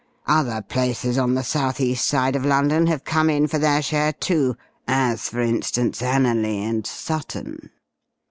Other places on the South East side of London have come in for their share, too, as for instance Anerley and Sutton.